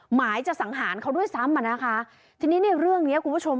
หมายจะสังหารเขาด้วยซ้ำอ่ะนะคะทีนี้เนี่ยเรื่องเนี้ยคุณผู้ชม